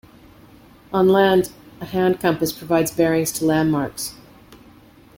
On land a hand compass provides bearings to landmarks.